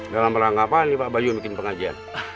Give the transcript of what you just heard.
dalam rangka apa ini pak bayu bikin pengajian